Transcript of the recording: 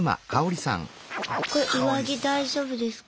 上着大丈夫ですか？